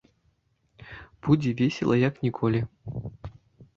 Будзе весела, як ніколі.